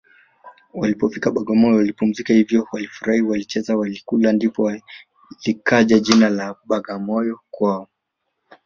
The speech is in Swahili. Walipofika Bagamoyo walipumzika hivyo walifurahi walicheza walikula ndipo likaja jina la bwagamoyo wako